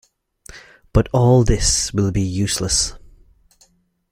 But all this will be useless.